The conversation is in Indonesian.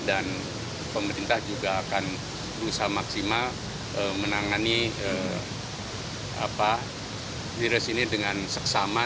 dan pemerintah juga akan berusaha maksimal menangani virus ini dengan seksama